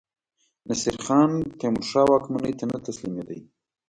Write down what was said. نصیرخان تیمورشاه واکمنۍ ته نه تسلیمېدی.